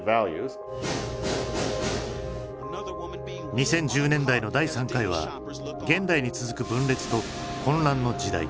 ２０１０年代の第３回は現代に続く分裂と混乱の時代。